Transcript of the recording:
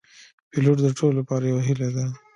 پیلوټ د ټولو لپاره یو هیله ده.